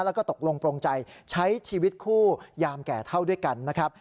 แล้วก็ตกลงโปรงใจใช้ชีวิตคู่ยามแก่เท่าด้วยกันนะครับ